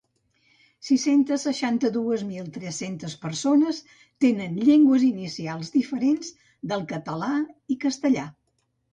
Sis-centes seixanta-dues mil tres-centes persones tenen llengües inicials diferents del català i castellà.